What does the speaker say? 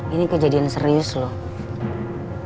ini kejadian serius loh